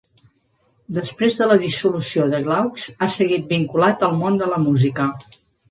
Després de la dissolució de Glaucs, ha seguit vinculat al món de la música.